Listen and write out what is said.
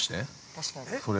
◆確かに。